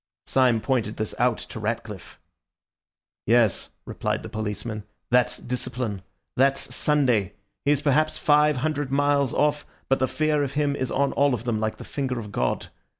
Syme pointed this out to Ratcliffe. "Yes," replied the policeman, "that's discipline. That's Sunday. He is perhaps five hundred miles off, but the fear of him is on all of them, like the finger of God.